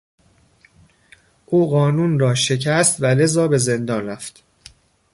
او قانون را شکست و لذا به زندان رفت.